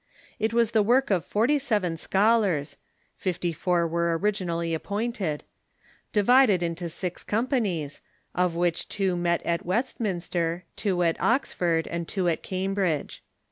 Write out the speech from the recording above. It was the work of forty seven scholars (fifty four were originally appointed), di vided into six companies, of which two met at Westminster, two at Oxford, and two at Cambridge.